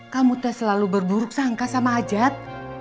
kamu tak selalu berburuk sangka sama ajat